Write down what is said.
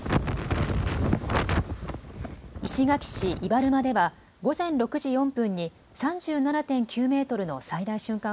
石垣市伊原間では午前６時４分に３７．９メートルの最大瞬間